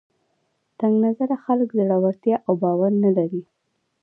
تنګ نظره خلک زړورتیا او باور نه لري